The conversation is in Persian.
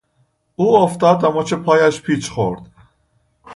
او افتاد و مچ پایش پیچ خورد.